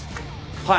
はい。